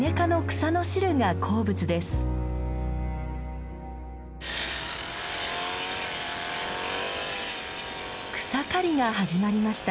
草刈りが始まりました。